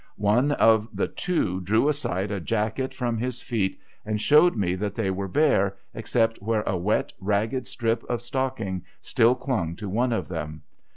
One of the two drew aside a jacket from his feet, and showed me that they were bare, except where a wet, ragged strip of stocking still clung to one of them.